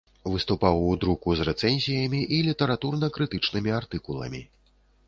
Выступаў у друку з рэцэнзіямі і літаратурна-крытычнымі артыкуламі.